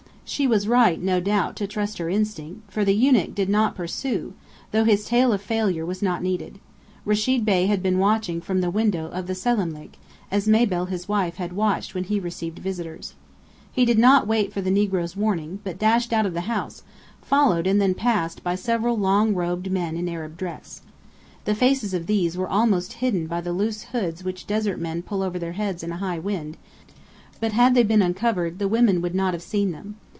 She was right, no doubt, to trust her instinct, for the eunuch did not pursue, though his tale of failure was not needed. Rechid Bey had been watching from a window of the selâmlik, as Mabel his wife had watched when he received visitors. He did not wait for the negro's warning, but dashed out of the house, followed and then passed by several long robed men in Arab dress. The faces of these were almost hidden by the loose hoods which desert men pull over their heads in a high wind, but had they been uncovered the women would not have seen them.